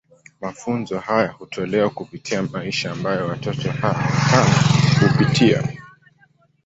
Mafunzo haya hutolewa kupitia maisha ambayo watoto hawa watano hupitia.